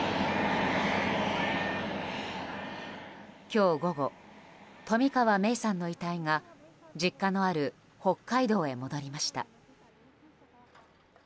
今日午後冨川芽生さんの遺体が実家のある北海道へ戻りました。